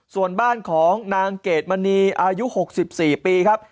ส่วนบ้านของนางเกดมณีอายุ๖๔ปีครับ